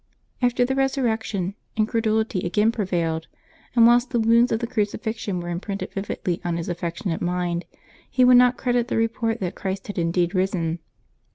After the Eesurrection, incredulity again prevailed, and whilst the wounds of the crucifixion were imprinted vividly on his affectionate mind, he would not credit the report that Christ had indeed risen.